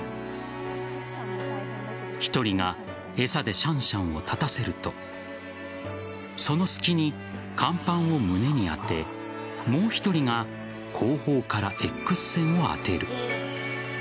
１人がえさでシャンシャンを立たせるとその隙に乾板を胸に当てもう１人が後方からＸ線を当てる。